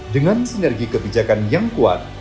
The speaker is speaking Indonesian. dengan sinergi kebijakan yang kuat